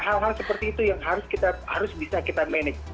hal hal seperti itu yang harus kita bisa manage